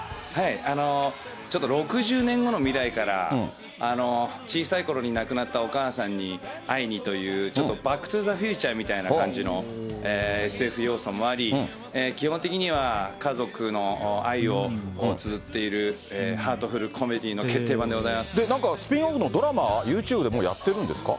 ちょっと６０年後の未来から、小さいころに亡くなったお母さんに会いにという、ちょっとバック・トゥ・ザ・フューチャーみたいな感じのＳＦ要素もあり、基本的には家族の愛をつづっているハートフルコメディの決定版でなんかスピンオフのドラマ、ユーチューブでもうやっているんですか？